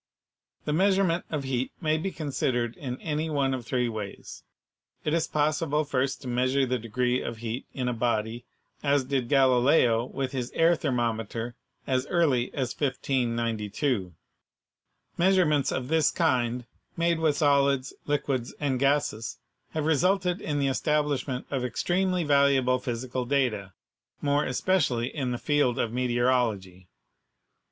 The measurement of heat may be considered in any one of three ways. It is possible first to measure the degree of heat in a body, as did Galileo with his air thermometer as early as 1592. Measurements of this kind made with solids, liquids and gases have resulted in the establishment of extremely valuable physical data, more especially in the field of meteorology.